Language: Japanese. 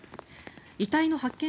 遺体の発見